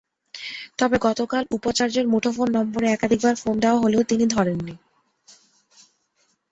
তবে গতকাল উপাচার্যের মুঠোফোন নম্বরে একাধিকবার ফোন দেওয়া হলেও তিনি ধরেননি।